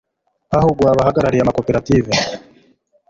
hahuguwe abahagarariye amakoperative